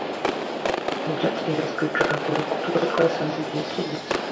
Ntibyatinze twicara kuruta uko twasanze igihe kigeze.